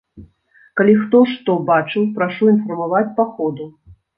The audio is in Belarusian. Калі хто што бачыў, прашу інфармаваць па ходу.